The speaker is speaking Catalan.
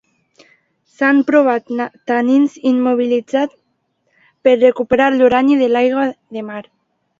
S'han provat tanins immobilitzats per recuperar l'urani de l'aigua de mar.